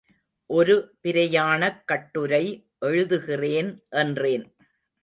ஒரு பிரயாணக் கட்டுரை எழுதுகிறேன் என்றேன்.